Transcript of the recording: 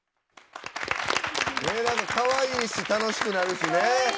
かわいいし楽しくなるしね。